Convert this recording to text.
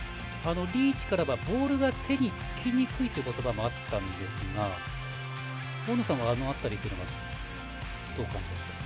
リーチからはボールが手につきにくいという言葉もあったんですが大野さん、あの辺りはどう感じましたか。